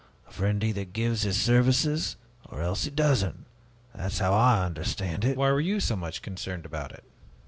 A friend either gives his services or else he doesn't. That is how I understand it." "Why were you so much concerned about it?